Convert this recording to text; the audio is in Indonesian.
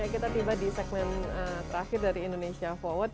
kita tiba di segmen terakhir dari indonesia forward